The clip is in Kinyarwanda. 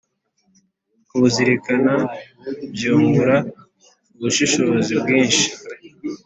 Kubuzirikana byungura ubushishozi bwinshi,